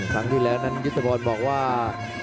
ครั้งที่แล้วนั้นยุทธพรบอกว่า